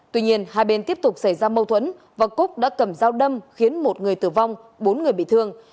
tuy nhiên hai bên tiếp tục xảy ra mâu thuẫn và cúc đã cầm dao đâm khiến một người tử vong bốn người bị thương